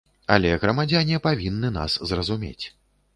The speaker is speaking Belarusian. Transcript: Але грамадзяне павінны нас зразумець.